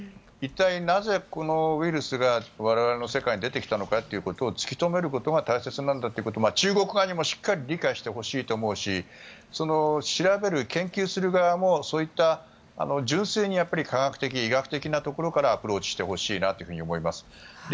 一体なぜこのウイルスが我々の世界に出てきたのかということを突き止めることが大切なんだということを中国側にもしっかり理解してほしいと思うし調べる、研究する側もそういった純粋に科学的、医学的なところからアプローチしてほしいなと思います。